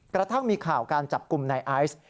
กระทั่งมีข่าวการจับกลุ่มนายไอซ์